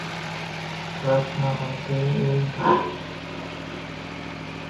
Glass না ভাঙলেই হয়!